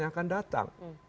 yang akan datang